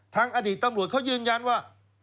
อดีตตำรวจเขายืนยันว่า